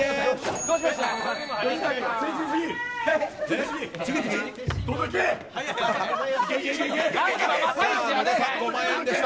どうしました？